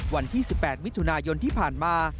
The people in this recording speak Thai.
วันที่๑๘มิถุนายนที่ผ่านมา